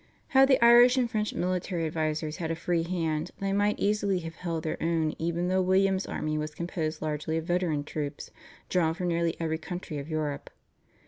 Had the Irish and French military advisers had a free hand they might easily have held their own, even though William's army was composed largely of veteran troops drawn from nearly every country of Europe.